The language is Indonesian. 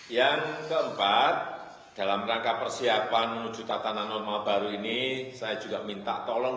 yang keempat dalam rangka persiapan menuju tatanan normal baru ini saya juga minta tolong